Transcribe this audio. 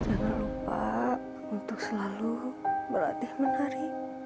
jangan lupa untuk selalu berlatih menari